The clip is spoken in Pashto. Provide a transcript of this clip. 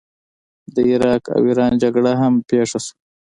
د عراق او ایران جګړه هم پیښه شوه.